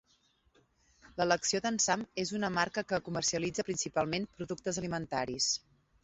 L'elecció d'en Sam és una marca que comercialitza principalment productes alimentaris.